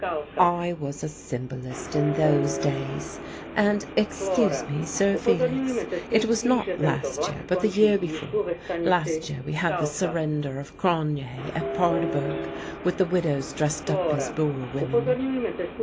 "I was a symbolist in those days. And, excuse me, Sir Felix, it was not last year, but the year before. Last year we had the surrender of Cronje at Paardeberg, with the widows dressed up as Boer women."